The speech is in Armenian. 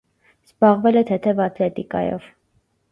Զբաղվել է թեթև ատլետիկայով։